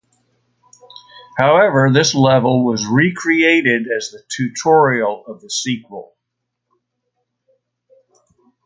However this level was recreated as the tutorial of the sequel.